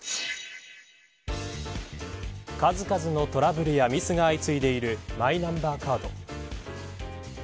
数々のトラブルやミスが相次いでいるマイナンバーカード。